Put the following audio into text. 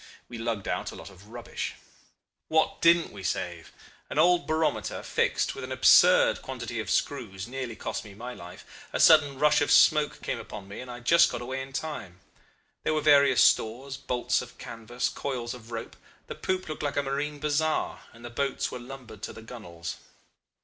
We lugged out a lot of rubbish. What didn't we save? An old barometer fixed with an absurd quantity of screws nearly cost me my life: a sudden rush of smoke came upon me, and I just got away in time. There were various stores, bolts of canvas, coils of rope; the poop looked like a marine bazaar, and the boats were lumbered to the gunwales.